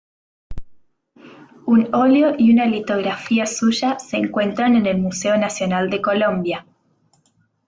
Un óleo y una litografía suya se encuentran en el Museo Nacional de Colombia.